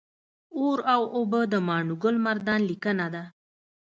اور او اوبه د ماڼوګل مردان لیکنه ده